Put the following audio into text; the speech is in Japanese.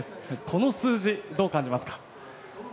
この数字、どう感じますか。